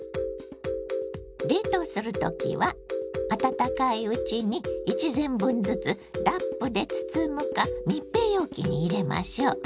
冷凍する時は温かいうちに１膳分ずつラップで包むか密閉容器に入れましょう。